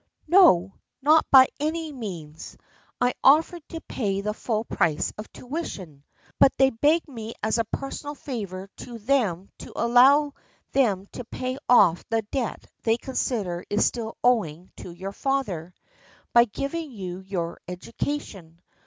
" No, not by any means. I offered to pay the full price of tuition, but they begged me as a per sonal favor to them to allow them to pay off the debt they consider is still owing to your father, by giving you your education.